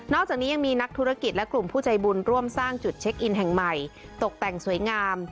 จากนี้ยังมีนักธุรกิจและกลุ่มผู้ใจบุญร่วมสร้างจุดเช็คอินแห่งใหม่ตกแต่งสวยงาม